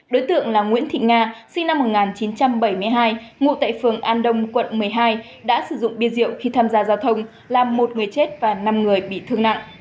đối tượng là nguyễn thị nga sinh năm một nghìn chín trăm bảy mươi hai ngụ tại phường an đông quận một mươi hai đã sử dụng bia rượu khi tham gia giao thông làm một người chết và năm người bị thương nặng